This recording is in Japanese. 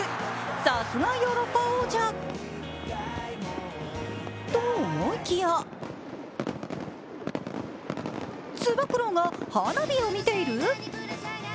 さすがヨーロッパ王者。と思いきやつば九郎が花火を見ている？